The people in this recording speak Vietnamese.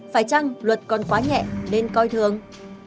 phải chăng luật còn quá nhẹ nên coi thường